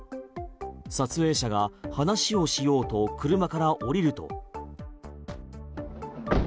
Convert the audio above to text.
撮影者が話をしようと車から降りると。